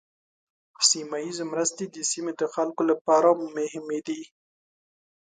سیمه ایزه مرستې د سیمې د خلکو لپاره مهمې دي.